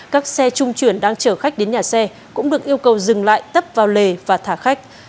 các xe trung chuyển đang chở khách đến nhà xe cũng được yêu cầu dừng lại tấp vào lề và thả khách